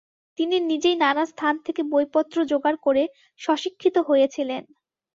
তিনি নিজেই নানা স্থান থেকে বই পত্র যোগাড় করে স্বশিক্ষিত হয়েছিলেন।